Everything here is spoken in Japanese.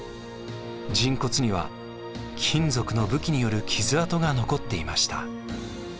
人骨には金属の武器による傷痕が残っていました。